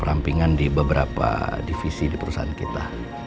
perampingan di beberapa divisi di perusahaan kita